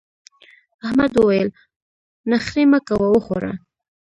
احمد وويل: نخرې مه کوه وخوره.